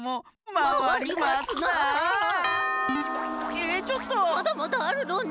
まだまだあるのに。